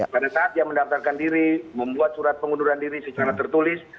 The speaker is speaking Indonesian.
pada saat dia mendaftarkan diri membuat surat pengunduran diri secara tertulis